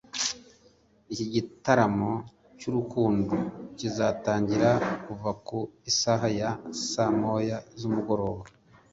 Iki gitaramo cy’urukundo kizatangira kuva ku isaha ya saa moya z’umugoroba